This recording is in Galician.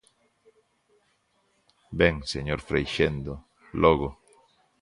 Ben, señor Freixendo, logo.